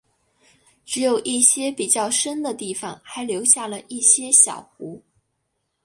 只有一些比较深的地方还留下了一些小湖。